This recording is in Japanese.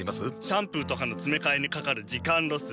シャンプーとかのつめかえにかかる時間ロス。